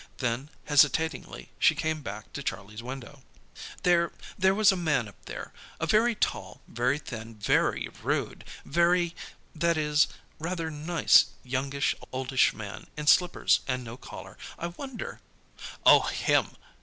Then, hesitatingly, she came back to Charlie's window. "There there was a man up there a very tall, very thin, very rude, very that is, rather nice youngish oldish man, in slippers, and no collar. I wonder " "Oh, him!"